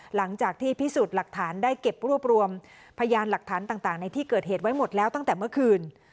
หลังจากที่พิสูจน์หลักฐานได้เก็บรวบรวมพยานหลักฐานต่างในที่เกิดเหตุไว้หมดแล้วตั้งแต่เมื่อคืน